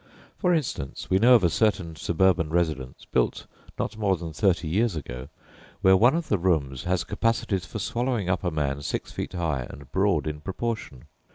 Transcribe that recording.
For instance, we know of a certain suburban residence, built not more than thirty years ago, where one of the rooms has capacities for swallowing up a man six feet high and broad in proportion.